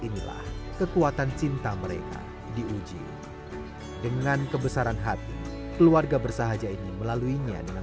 inilah kekuatan cinta mereka diuji dengan kebesaran hati keluarga bersahaja ini melaluinya dengan